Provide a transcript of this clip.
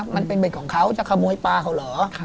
มันเป็นเบ็ดของเขาจะขโมยปลาเขาเหรอ